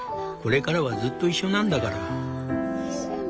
これからはずっと一緒なんだから」。